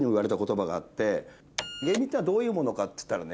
「芸人っていうのはどういうものかっつったらね